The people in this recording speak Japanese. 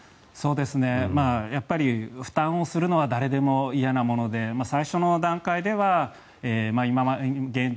やっぱり負担をするのは誰でも嫌なもので最初の段階では現状